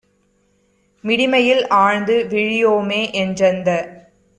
மிடிமையில் ஆழ்ந்து விழியோமே?" என்றந்த